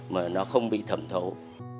mà nó không bị thẩm thấu